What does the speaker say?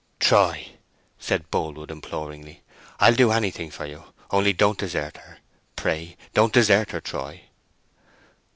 "Troy," said Boldwood, imploringly, "I'll do anything for you, only don't desert her; pray don't desert her, Troy."